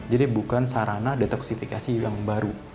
jadi bukan sarana detoksifikasi yang baru